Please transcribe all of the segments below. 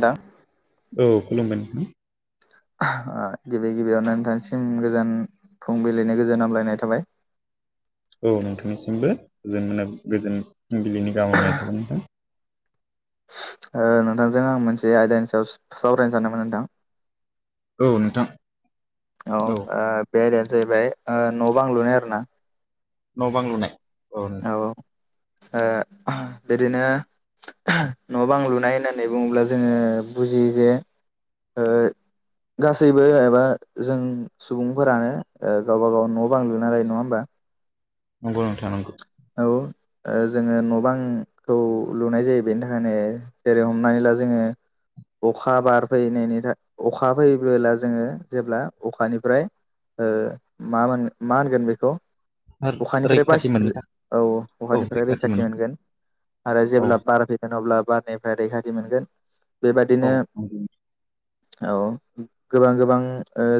दा औ खुलुमबाय नोंथां। गिबि गिबियावनो नोंथांसिम गोजान फुंबिलिनि गोजोन हामलायनाय थाबाय। औ नोंथांनिसिमबो गोजोन माने गोजोन बिलिनि गामनाय थाबाय नोंथां। ओ नोंथांजों आं मोनसे आयदानि सायाव सावरायनो सानदोंमोन नोंथां। औ नोंथां। औ बे आइदायानो जाहैबाय न' बां लुनाय आरो ना। न' बां लुनाय। औ ओ बिदिनो न' बां लुनाय होननानै बुङोब्ला जोङो बुजियो जे गासैबो एबा जों सुबुंफोरानो गावबागाव न' बां लुना लायो नङा होमबा। नंगौ नंथां नंगौ। औ जोङो न' बांखौ लुनाय जायो बेनि थाखायनो जेरै हमनानै ला जोङो अखा बारफैनायनि थाखाय अखा फैबोब्ला जोङो जेब्ला अखानिफ्राय ओ मा मा होनगोन बेखौ आरो अखानिफ्राय रैखाथि मोननो बसि थाखाय औ औ अखानिफ्राय रैखाथि मोननो मोनगोन आरो औ जेब्ला बार फैगोन अब्ला बारनिफ्राय रैखाथि मोनगोन औ बेबादिनो नंगौ औ गोबां गोबां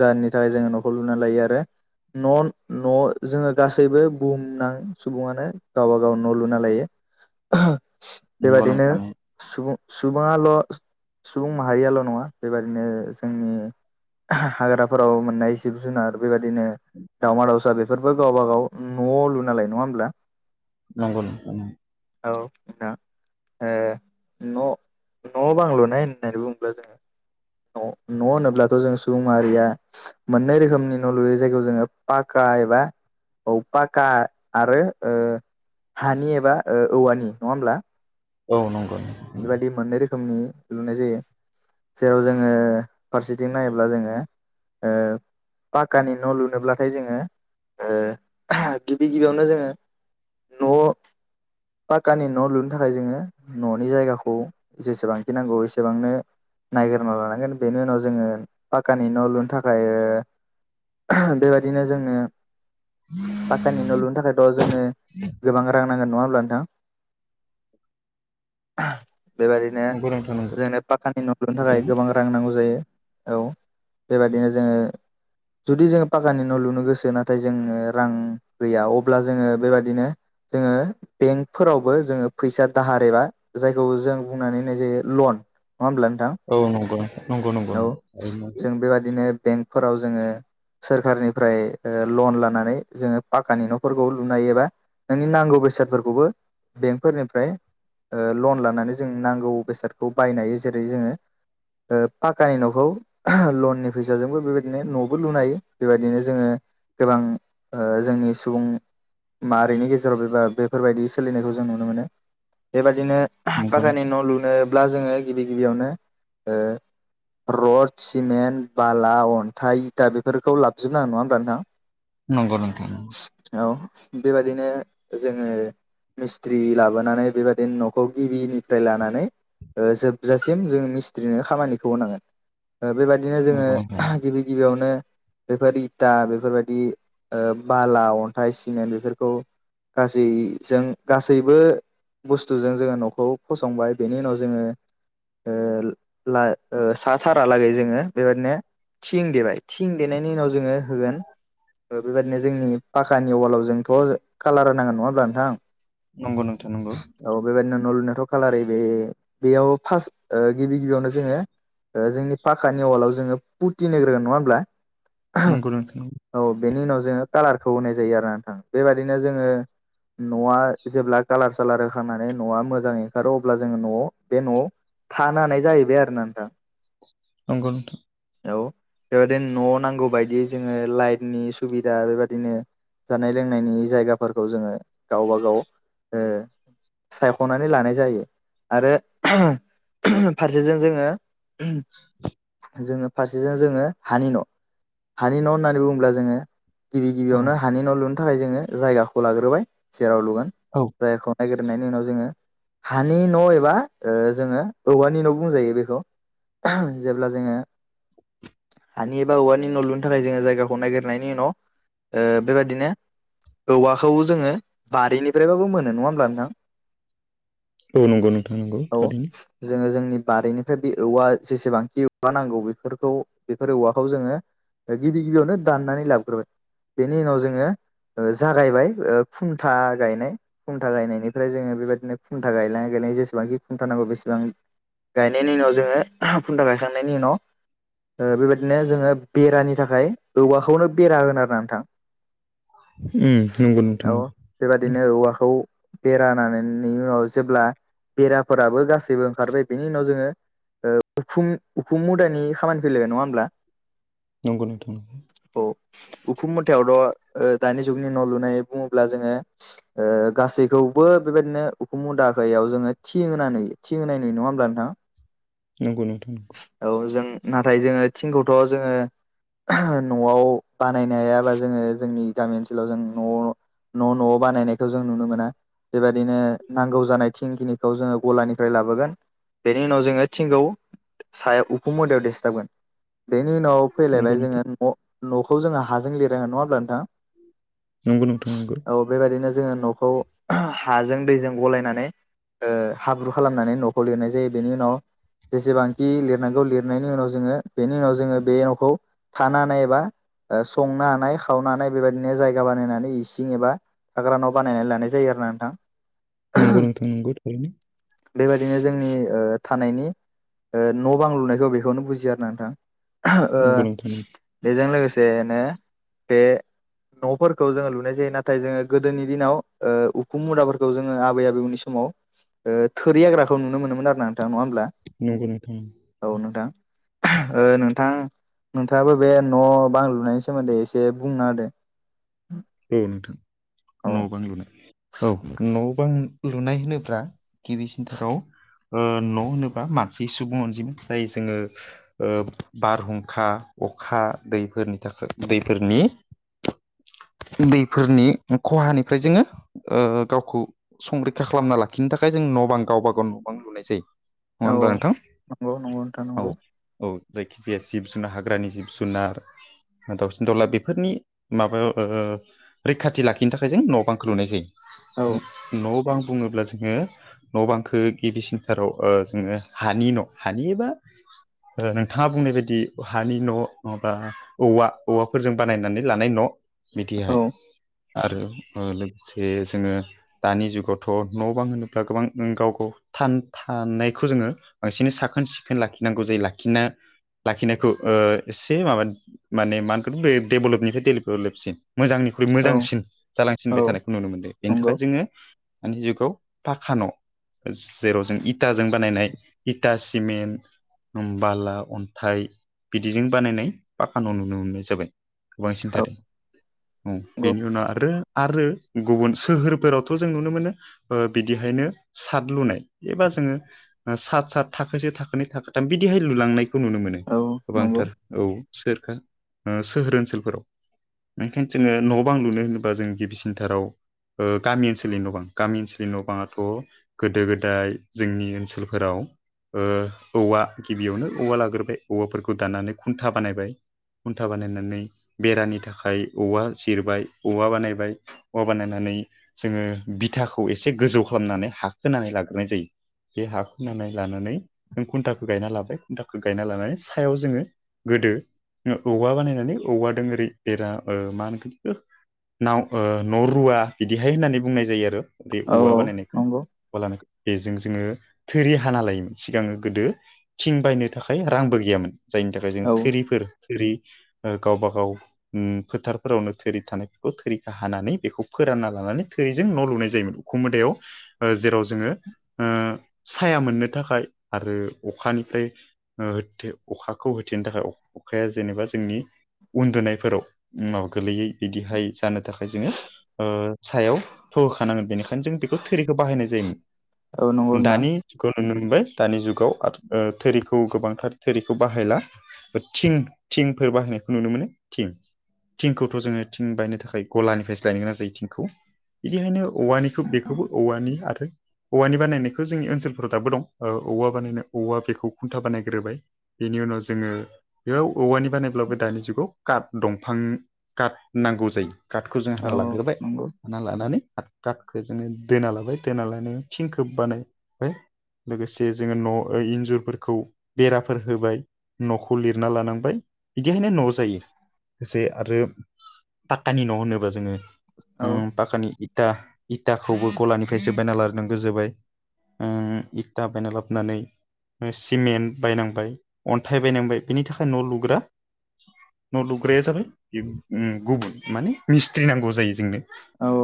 जाहोननि थाखाय जोङो न'खौ लुना लायो आरो न' न' जोङो गासैबो बुहुमनां सुबुङानो गावबा गाव न' लुना लायो नंगौ बेबादिनो नोंथां सुबुं सुबुङाल' सुबुं माहारियाल' नङा बेबादिनो जोंनि हाग्राफोराव मोननाय जिब जुनार बेबायदिनो दावमा दाावसा बेफोरबो गावबाागाव न'आव लुना लायो नङा होमब्ला। नंगौ नोंथां। औ ना ओ न' न' बां लुनाय होननानै बुङोब्ला जोङो न' होनोब्लाथ' जों सुबुं मारिया मोननै रोखोमनि न' लुयोै जायगायाव जोङो पाक्का एबा औ पक्का आरो हानि एबा औवानि नङा होमब्ला। औ नंगौ नं बेबायाददि मोननै रोखोमनि लुनाय जायो। जेराव जोङो फारसेथिं नायोब्ला जोङो ओ पाक्कानि न' लुनोब्लाथाय जोङो ओ गिबि गिबियावनो जोङो न' पाकानि न' लुनो थाखाय जोङो न' जायगाखौ जेसेबांखि नांगौ एसेबांनो नायगिरना लानांगोन बेनि उनाव जोङो पाक्कानि न' लुनो थाखाय बेबायदिनो जोङो [unintelligible] पाकखानि न' लुनो थाखायथ' जोंनो गोबां रां नांगोन नङा हब्ला नोंथां? बेबायदिनो नंगौ नोंथां नंगौ जोंनो पाकानि न' ल्लुनो थाखाय गोबां रा रां नांगौ जायो औ बेबादिनो जोङो जुदि जोङो पकानि न' लुनो गोसो नाथाय जोङो रां गैया अब्ला जोङो बेबाददिनो जोङो बेंक फोरावबो जोङो फैसा दाहार एबा जायखौ जों बुंनानै होननाय जायो लन नङा होमब्ला न थां थारैनो। औ नंगौ नोंथां नंगौ औ जों बेबादिनो बेंकफोराव जोङो सोरखारनिफ्राय ओ लन लानानै जोङो पाकानि न'फोरखौ लुनाय एबा नोंनि नांगौ बेसादफोरखौबो बेंकफोरनिफ्राय ओ लन लानानै जों नांगौ बेसादखौ बायनाय ह जेरै जोङो ओ पाक्कानि न'खौ लननि फैसाजोंबो बेबायदिनो न'बो लुनाय हायो बेबायदिनो जोङो गोबां ओ जोंनि सुबुं मारैनि गेजेराव एबा बेफोरबायदि सोलिनायखौ जों नुनो मोनो। बेबादिनो पाक्कानि न' लुनोब्ला जोङो गिबि गिबियावनो ओ रड सिमेन्ट बाला अन्थाइ दा बेफोरखौ लाबजोबनांगोन नङा होनोमबा नोंथां? [inaudible] नंगौ नोंथां। औ बेबायदिनो जोङो मिस्ट्रि लाबोनानै बेबाद बिन न'खौ गिबिनिफ्राय लानानै ओ जोबजासिम जोंङो मिस्ट्रिनो खामानिखौ होनांगोन ओ बेबादिनो जोङो थारैनो गिबि गिबियावनो बेफोर इता बेफोरबादि ओ बाला अन्थाइ सिमेन्ट बेफोरखौ गासैजों गासैबो बुस्थुजों जोङो न'खौ फसंबाय बेनि उनाव जोङो ओ ला साथारालागै जोङो बेबायादिनो थिं देबाय। थिं देनायनि उनाव जोङो होगोन ओ बेबायादिनो जोंनि पाखानि अवालाव जोंथ' कालारा नांगोन नङा होमब्ला नोंथां? नंगौ नों औ बेबायाददिनो नलुनाथ' खालार बे बेयाव फासथ ओ गिबि गिबियावनो जोङो ओ जोंनि पाखानि वलाव जोङो फुथिनो ग्रोगोन नङा होमब्ला? नोंगौ नोनथां नांगौ। औ बेनि उनाव जोङो कालारखौ होनाय जायो आरो नोंथां बेबायादिनो जोङो न'आ जेब्ला कालार स आलार होखांनानै न'आ मोजां ओंखारो अब्ला जोङो न'आव बे न'आव थानो हानाय जाहैबाय आरो ना नोंथां। नंगौ नथां। औ बेबदिनो न' नांगौ बायदि जोङो लाइटनि सुबिदा बेबायदिनो जानाय लोंनायनि जायगाफोरखौ जोङो गावबाागाव ओ सायख'नानै लानाय जायो आरो फारसेजों जोङो जोङोफ फारसेजों जोङो हानि न' हानि न' होननानै बुङोब्ला जोङो गिबि औ गिबियावनो हानि न' लुनो थाखाय जोङो जायगाखौ लाग्रोबाय सेराव लुगोन औ जायख नागिरनायनि उनाव जोङो हानि न' एबा ओ जोङो औवानि न' बुंजायो बेखौ जेब्ला जोङो हानि एबा औवानि न' लुनो थाखाय जोङो जायगाखौ ननायागिरनायनि उनाव ओ बेबायदिनो औवाखौ जोङो बारिनिफ्रायबाबो मोनो नङा होमब्ला न थां मावनांगौ नोंथांनांगौ थारैनो। जोङो जोंनि बारिनिफ्राय बे औवा जेसेबांखि औवा नांगौ बेफोरखौ बेफोर औवाखौ जोङो गिबि गिबियावनो दाननानै लाबोग्रोबाय बेनि उनाव जोङो ओ जागायबाय ओ खुन्था गायनाय खन्था गायनायनि ओमफ्राय जोङो बेबायदिनो खुन्था गायलाय गायाय जेसेबांखि खुन्था नांगौ बेसेबां गायनायनि उनाव जोङो खुनथा गायखांनायनि उनाव ओ बेबायदिनो जोङो बेरानि थाखाय औवाखौनो बेरा होन आरो नोंथां उम उम नंगौ नोंथां नंगौ बेबादिनो औवाखौ बेरानायनि उनाव जेब्ला बेराफोराबो गासैबो ओंखारबाय बेनि उनाव जोङो ओ उखुम-उखुम मुदानि खामानि फैलायबाय नङा होमब्ला नंगौ नोंथां औ उखुम मुदायावथ' दानि जुगनि न' लुनाय बुङोब्ला जोङो ओ गासै खौबो बेबायदिनो उखुम मुदाहायाव जोङो थिं होनानै थिं होनायनाय नङा होमब्ला नोंथां [inaudible] नंगौ नोंथां औ जों नाथाय जोङो थिंखौथ' जोङो न'आव बानायनो हायाबा जोङो जोंनि गामि ओनसोलाव जों न' न' न'आव बानायनायखौ जों नुनो मोना बेबायदिनो नांगौ जानाय थिंखिनिखौ जोङो गलानिफ्राय लाबोगोन बेनि उनाव जोङो थिंगौ सायाव उफुं मोदायाव देसथाबगोन बेनि उनाव नंगौ फैलायबाय नोंथां जोङो' न'खौ जोङो हाजों लिरांगोन नङा होमब्ला नोंथां नंगौ नोंथां नंगौ औ बेबायदिनो जोङो न'खौ हाजों दैजों गलायनानै ओ हाब्रु खालामनानै न'खौ लिरनाय जायो बेनि उनाव जेसेबांखि लिरनांगौ लिरनायनि उनाव जोङो बेनि उनाव जोङो बे न'खौ थानो हानाय एबा ओ संनो हानाय खावनो हानाय बेबायदिनो जायगा बानायनानै इसिं एबा हाग्रा न' बानायनानै लानाय जायो आरो ना नोंथां नंगौ नोंथों नंगौ बेबायदिनो जोंनि ओ थानायनि ओ न' बां लुनायखौ बेखौनो बुजिया आरो ना नोंथां ओ नंगौ नोंथां बेजों लोगोसेनो बे न'फोरखौ जोङो लुनाय जायो नाथाय जोङो गोदोनि दिनाव ओ उखुम मुुदाफोरखौ जोङो आबै आबौमोननि समाव ओ थोरै आग्राखौ नुनो मोनोन आरो ना नोंथां नङा होमब्ला नंगौ नोंथां औ नोंथां ओ नोंथां नोंथाङाबो बे न' बां लुनायनि सोमोन्दै एसे बुंन होदो औ नोंथां औ न' बां लुनाय औ न' बां लुनाय होनोब्ला गिबिसिन्थाराव ओ न' होनोबा मानसि सुबुं अनजिमा जाय जोङो ओ बारहुंखा अखा दैफोरनि थाखाय दैफोरनि दैफोरनि खहानिफ्राय जोङो ओ गावखौ संरैखा खालामना लाखिनो थाखाय जों न' बां गावबा गाव न' बां लुनाय जायो। नङा औ होमबा नोथां? नंगौ नंगौ नोंथां औ नंगौ औ जायखिजाया जिब जुनार हाग्रानि जिब-जुनार दावसिन दाउला बेफोरनि माबायाव रैखाथि लाखिनो थाखाय जों न' बांखौ लुनाय औ जायो। न' बां बुङोब्ला जोङो न' बांखो गिबिसिनथाराव जोङो हानि न' हानि एबा ओ नोंथाङा बुंनाय बायदि हानि न' नङाबा औवा औवाफोरजों बानायनानै लानाय न' औ बिदिहाय आरो लोगोसे जोङो दानि जुगावथ' न' बां होनोब्ला गोबां गाव गाव थान-थानायखौ जोङो बांसिनै साखोन सिखोन लाखिनांगौ जायो। लाखिना- लाखिनायखौ ओ एसे माबा माने मा होनगोन बे डेभेलपनिफ्राय डेभेलपसिन मोजांनिख्रुइ औ मोजांसिन औ जालांसिनबाय थानायखौ नुनो मोनदों बेनि नंगौ थाखाय जोङो दानि जुगाव फाखा न' जेराव जों इताजों बानायनाय इता सिमेन्ट बाला, अन्थाइ बिदिजों बानायनाय पाका न' नुनो मोननाय जाबाय। गोबांसिन औ [unintelligible] औ नंगौ बेनि उनाव आरो आरो गुबुन सोहोरफोरावथ' जों नुनो मोनो ओ बिदिहायनो साद लुनाय एबा जोङो सात सात थाखोसे थाखोनै थाखोथाम बिदिहाय लुलांनायखौ नुनो मोनो। औ नंगौ गोबांथार औ सोर ओ सोहोर ओनसोलफोराव ओंखायनो जोङो न' बां लुनो होनोबा जों गिबिसिनथाराव ओ गामि ओनसोलनि न' बां, गामि ओनसोलनि न' बाङाथ' गोदो गोदाय जोंनि ओनसोलफोराव ओ औवा गिबियावनो औवा लाग्रोबाय औवाफोरखौ दाननानै खुन्था बानायबाय खुन्था बानायनानै बेरानि थाखाय औवा जिरबाय औवा बानायबाय औवा बानायनानै जोङो बिथाखौ एसे गोजौ खालामनानै हाखो खोनानै लाग्रोनाय जायो। बे हाखौ खोनानै लानानै जों खुन्थाखौ गायना लाबाय खुन्थाखौ गायना लानानै सायाव जोङो गोदो औवा बानायनानै औवादों ओरै बेरा ओ मा होनगोन ओ नाव ओ न' रुवा बिदिहाय होननानै बुंनाय जायो आरो बे औ औवा बानायनायखौ नंगौ औवा लानायखौ। बेजों जोङो थोरि हाना लायोमोन सिगाङो गोदो थिं बायनो थाखाय रांबो गैयामोन। जायनि थाखाय जों औ थोरिफोर थोरि ओ गावबा गाव उम फोथारफोरावनो थोरि थानायफोरखौ थोरिखो हानानै बेखौ फोरानना लानानै थोरिजों न' लुनाय जायोमोन। उखुम मुदायाव ओ जेराव जोङो ओ साया मोननो थाखाय आरो अखानिफ्राय ओ होथे अखाखौ होथेनो थाखाय अखाया जेनेबा जोंनि उन्दुनाय फोराव माबा गोलैयै बिदिहाय जानो थाखाय जोङो ओ सायाव थ' होखानांगोन बेनिखायनो जों बेखौ थोरिखौ बाहायनाय औ नंगौ जायोमोन। नोंथां दानि खौ नुनो मोनबाय दानि जुगाव ओ थोरिखौ गोबांथार थोरिखौ बाहायला थिं थिंफोर बाहायनायखौ नुनो मोनो। थिं, थिंखौथ' जोङो थिं बायनो थाखाय गलानिफ्रायसो लायनो गोनां जायो थिंखौ। बिदिखायनो औवानिखौ बेखौबो औवानि आरो औवानि बानायनायखौ जोंनि ओनसोलफोराव दाबो दं ओ औवा बानायनाय औवा बेखौ खुन्था बानायग्रोबाय। बेनि उनाव जोङो बेयाव औवानि बानायब्लाबो दानि जुगाव काट दंफां काट नांगौ जायो काटखौ जों औ हाना लाग्रोबाय नंगौ हाना लानानै काथखौ जोङो दोना लाबाय दोना लानाय थिनखौ बानायबाय लोगोसे जोङो न' इन्जुरफोरखौ बेराफोर होबाय न'खौ लिरना लानांबाय बिदिहायनो न' जायो। एसे आरो पाक्कानि न' होनोबा जोङो औ ओ पाकानि इथा इथाखौबो गलानिफ्रायसो बायना लानांगौ जाबाय इथा बायना लाबोनानै सिमेन्ट बायनांबाय अन्थाइ बायनांबाय बिनि थाखाय न' लुग्रा न' लुग्राया जाबाय बे गुबुन माने मिस्ट्रि नांगौ जायो जोंनो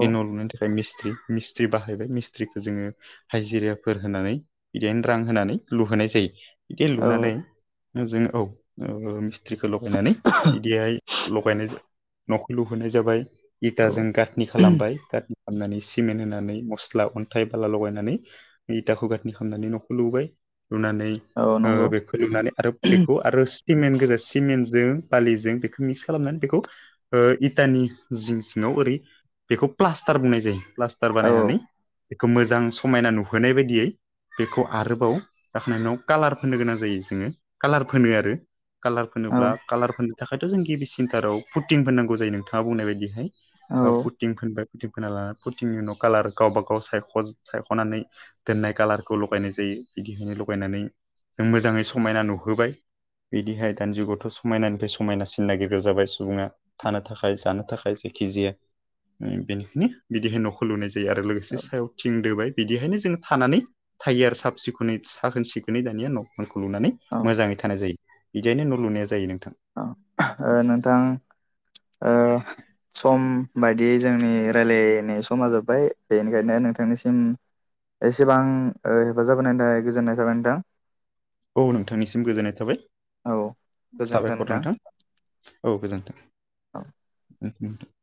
बे न' लुनायनि थाखाय ओमफ्राय मिस्ट्रि मिस्ट्रि बाहायबाय मिस्ट्रिखौ जोङो हाजिराफोर होनानै बिदिनो रां होनानै लुहोनाय जायो। बिदि औ लुनानै जोंङो औ मिस्थ्रिखौ लगायनानै बिदिहाय लगायनाय न'खौ लुहोनाय जाबाय औ इथाजों गाथनि खालामबाय सटारं खालामनानै सिमेन्ट होनानै मस्ला अन्थाइ बाला लगायनानै इथाखौ गाथनि खालामनानै न'खौ लुबाय लुनानै औ ओ नंगौ बेखौ लुनानै आरो बेखौ आरो सिमेन्ट गोजा सिमेन्टजों बालिजों बेखौ मिक्स खालामनानै बेखौ ओ इटानि जिं सिङाव ओरै बेखौ प्लास्टार बुंनाय जायो प्लास्टार औ बानायनानै बेखौ मोजां समायना नुहोनाय बायदियै बेखौ आरोबाव गाखोननायनि उनाव कालार फोनो गोनां जायो जोङो कालार फोनो आरो कालार औ फनोला कालारफोरनो थाखायथ' जों गिबिसिनथाराव फुटिंफोरनांगौ जायो नोंथाङा बुंनाय बायदिहाय औ फुथिं फोनबाय फुथिं फोनना लानानै फुथिंनि उनाव कालार गावबा गाव सायख सायख'नानै दोननाय कालारखौ लगायनाय जायो बिदिखायनो लगायनानै जों मोजाङै समायना नुहोबाय बिदिहाय दानि जुगावथ' सम समायनानिफ्राय समायना सिन नागिरग्रा जाबाय सुबुङा थानो थाखाय जानो थाखाय जायखिजाया बेनिखायनो बिदिहाय न'खौ लुनाय जायो आरो लोगोसे सायाव थिं दोबाय बिदिहायनो जोङो थानानै थायो आरो साब सिखोनै साखोन सिखोनै दानिया न'खौ लुनानै मोजाङै थानाय जायो बिदियनो न' लुनाया जायो नोंथां ओ नोंथां ओ सम बायदियै जोंनि रायलायनाय समा जोब्बाय बेनिखायनो नोंथांनिसिम एसेबां हेफाजाब होनायनि थाखाय गोजोननाय थाबाय नोंथां औ नोंथांनिसिम गोजोननाय थाबाय औ साबायखर नोंथां औ गोजोनथों औ नोंथां